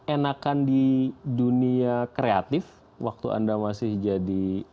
enakan di dunia kreatif waktu anda masih jadi